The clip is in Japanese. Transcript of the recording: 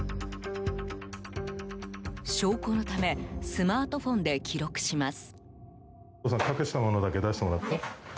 証拠のためスマートフォンで記録します。